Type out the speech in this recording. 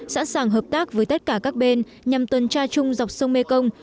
sẵn sàng hợp tác với tất cả các bên nhằm tuần tra chung dọc sông mê công